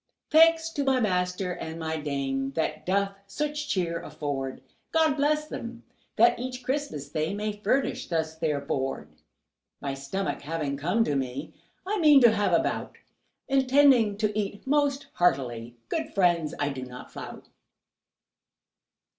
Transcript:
Thanks to my master and my dame That doth such cheer afford; God bless them, that each Christmas they May furnish thus their board. My stomach having come to me, I mean to have a bout, Intending to eat most heartily; Good friends, I do not flout.